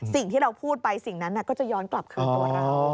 สิ่งที่เราพูดไปสิ่งนั้นก็จะย้อนกลับคืนตัวเรา